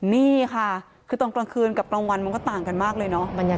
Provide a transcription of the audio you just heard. นี่ค่ะคือตอนกลางคืนกับกลางวันมันก็ต่างกันมากเลยเนาะ